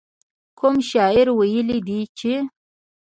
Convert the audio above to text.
کوم شاعر ويلي دي چې.